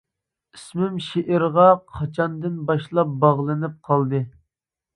ئىسمىم شېئىرغا قاچاندىن باشلاپ باغلىنىپ قالدى.